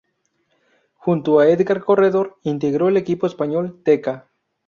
Junto a Edgar Corredor, integró el equipo español, Teka.